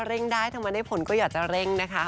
เร่งได้ถ้ามันได้ผลก็อยากจะเร่งนะคะ